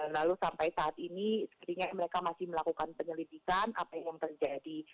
lalu sampai saat ini sepertinya mereka masih melakukan penyelidikan apa yang terjadi